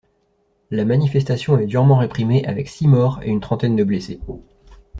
La manifestation est durement réprimée avec six morts et une trentaine de blessés.